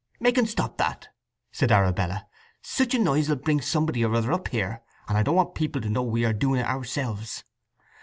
"Make un stop that!" said Arabella. "Such a noise will bring somebody or other up here, and I don't want people to know we are doing it ourselves."